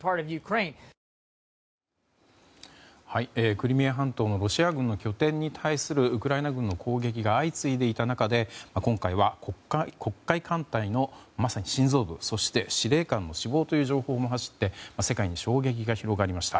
クリミア半島のロシア軍の拠点に対するウクライナ軍の攻撃が相次いでいた中で今回は黒海艦隊のまさに心臓部そして司令官の死亡という情報も走って世界に衝撃が広がりました。